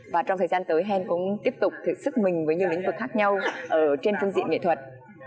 và trong thời gian tới hèn cũng tiếp tục thực sức mình với nhiều lĩnh vực khác nhau trên phương diện nghệ thuật